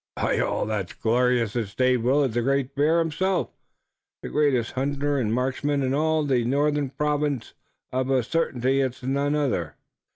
"By all that's glorious, it's Dave Willet, the Great Bear himself, the greatest hunter and marksman in all the northern province! Of a certainty it's none other!"